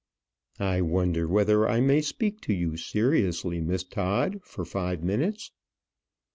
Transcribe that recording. "I wonder whether I may speak to you seriously, Miss Todd, for five minutes?"